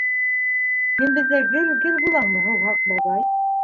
Һин беҙҙә гел, гел булаңмы, һыуһаҡ бабай?